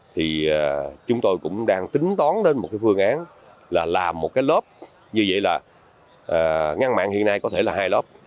thì chúng tôi cũng đang tính tón đến một cái phương án là làm một cái lớp như vậy là ngăn mặn hiện nay có thể là hai lớp